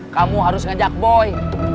kamu harus ngajak boy